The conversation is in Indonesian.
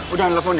udah nelfon ya